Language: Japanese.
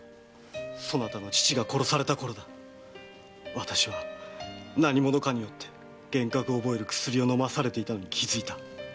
私は何者かに幻覚を覚える薬を飲まされていたのに気づいた。